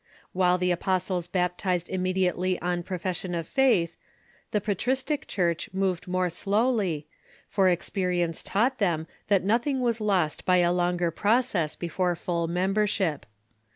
While the apostles baptized immediately on pro fession of faith, the patristic Church moved more slowly, for experience taught them that nothing was lost by a longer process before full membership.